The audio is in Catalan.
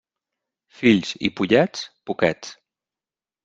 Fills i pollets, poquets.